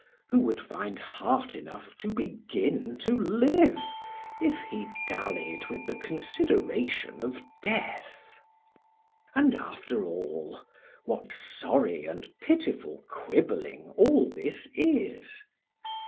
Who would find heart enough to begin to live, if he dallied with the consideration of death? And, after all, what sorry and pitiful quibbling all this is!